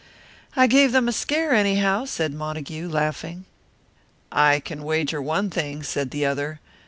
"I gave them a scare, anyhow," said Montague, laughing. "I can wager one thing," said the other.